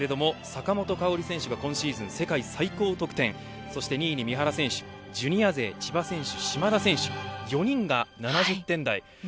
あらためて順位ですけど坂本花織選手が今シーズン世界最高得点そして２位に三原選手ジュニア勢、千葉選手、島田選手４人が７０点台。